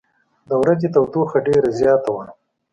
د ورځې تودوخه ډېره زیاته وه.